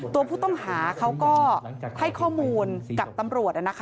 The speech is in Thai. ตัวผู้ต้องหาเขาก็ให้ข้อมูลกับตำรวจนะคะ